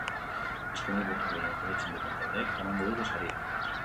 Azkenik, boto gehien jasotzen duten taldeek eramango dute saria.